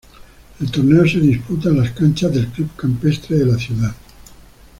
El torneo se disputa en las canchas del Club Campestre de la ciudad.